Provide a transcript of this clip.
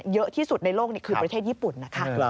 เยอะที่สุดในโลกนี่คือประเทศญี่ปุ่นนะคะ